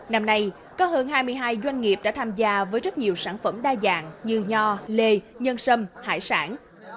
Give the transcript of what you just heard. năm nay có hơn hai mươi hai doanh nghiệp đã tham gia với rất nhiều sản phẩm đa dạng như nho lê nhân sâm hải sản